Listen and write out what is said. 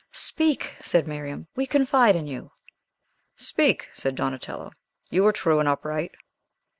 "Speak!" said Miriam. "We confide in you." "Speak!" said Donatello. "You are true and upright."